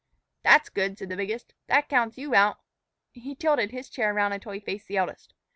"That's good," said the biggest; "that counts you out." He tilted his chair around until he faced the eldest.